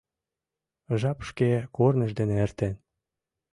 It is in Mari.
Жап шке корныж дене эртен.